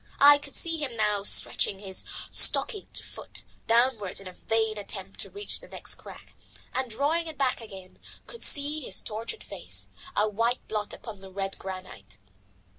I could see him now stretching his stockinged foot downwards in a vain attempt to reach the next crack, and drawing it back again; could see his tortured face, a white blot upon the red granite.